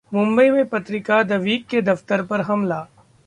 मुंबई में पत्रिका 'the Week' के दफ्तर पर हमला